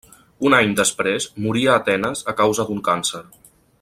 Un any després moria a Atenes a causa d'un càncer.